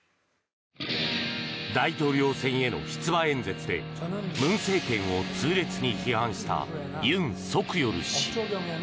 大統領選への出馬演説で文政権を痛烈に批判したユン・ソクヨル氏。